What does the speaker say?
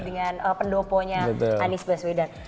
dengan pendoponya anies baswedan